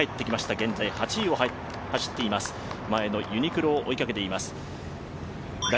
現在８位を走っています、前のユニクロを追いかけています。